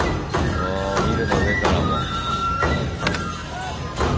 あビルの上からも。